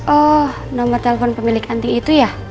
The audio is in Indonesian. oh nomor telepon pemilik anting itu